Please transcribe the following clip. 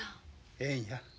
ええんや。